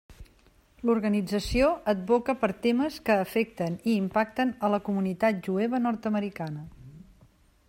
L'organització advoca per temes que afecten i impacten a la comunitat jueva nord-americana.